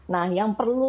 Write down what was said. nah yang perlu